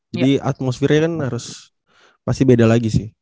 jadi atmosfernya kan harus pasti beda lagi sih